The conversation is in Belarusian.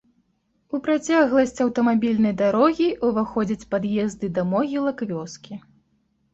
У працягласць аўтамабільнай дарогі ўваходзяць пад'езды да могілак вёскі.